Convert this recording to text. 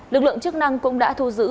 lực lượng chức năng cũng đã thu giữ